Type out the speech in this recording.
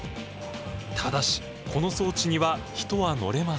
ただしこの装置には人は乗れません。